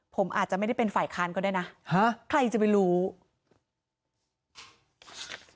ผมอาจจะไม่ได้เป็นฝ่ายค้านก็ได้นะฮะใครจะไปรู้